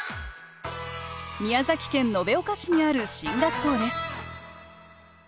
宮崎県延岡市にある進学校です